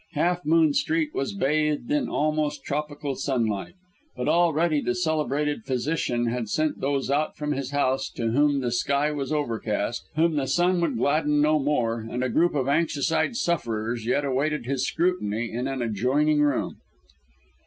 Half Moon Street was bathed in almost tropical sunlight, but already the celebrated physician had sent those out from his house to whom the sky was overcast, whom the sun would gladden no more, and a group of anxious eyed sufferers yet awaited his scrutiny in an adjoining room.